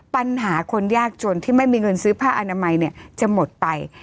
ปัญหาคนยากจนที่ไม่มีเงินซื้อผ้าอนามัยจะหมดไป